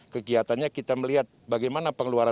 kegiatannya kita melihat bagaimana pengeluaran